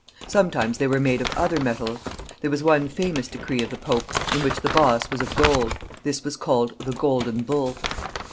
Sometimes they were made of other metals. There was one famous decree of the Pope in which the boss was of gold. This was called the golden bull.